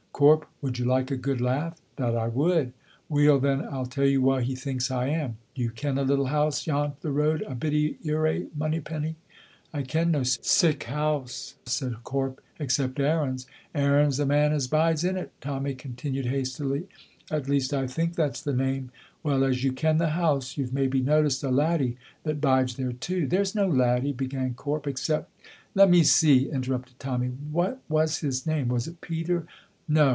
Corp, would you like a good laugh?" "That I would." "Weel, then, I'll tell you wha he thinks I am. Do you ken a little house yont the road a bitty irae Monypenny?" "I ken no sic house," said Corp, "except Aaron's." "Aaron's the man as bides in it," Tommy continued hastily, "at least I think that's the name. Well, as you ken the house, you've maybe noticed a laddie that bides there too?" "There's no laddie," began Corp, "except " "Let me see," interrupted Tommy, "what was his name? Was it Peter? No.